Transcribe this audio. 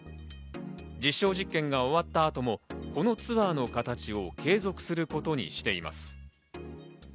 実証実験が終わった後もこのツアーの形を継続することにしています。